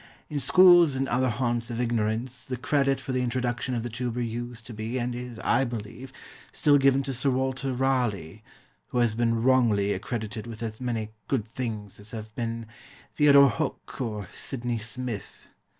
In schools and other haunts of ignorance, the credit for the introduction of the tuber used to be and is (I believe) still given to Sir Walter Raleigh, who has been wrongly accredited with as many "good things" as have been Theodore Hook or Sidney Smith.